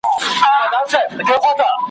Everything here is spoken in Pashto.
ګل به نه یم دا منمه، د رقیب د سترګو خاریم `